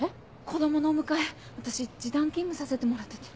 子供のお迎え私時短勤務させてもらってて。